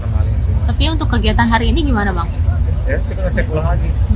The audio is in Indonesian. ya kita cek ulang lagi